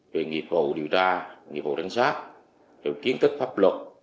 về nghiệp vụ điều tra nghiệp vụ đánh xác về kiến thức pháp luật